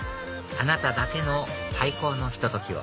あなただけの最高のひと時を